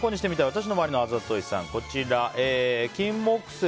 私の周りのあざといさん。